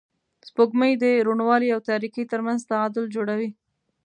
سپوږمۍ د روڼوالي او تاریکۍ تر منځ تعادل جوړوي